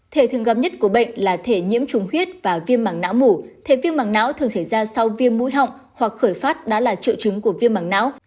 thể thường gặp nhất của bệnh là thể nhiễm trùng huyết và viêm mảng não mủ thể viêm mảng não thường xảy ra sau viêm mũi họng hoặc khởi phát đã là triệu chứng của viêm mảng não